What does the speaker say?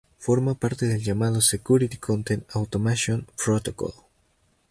Forma parte del llamado Security Content Automation Protocol.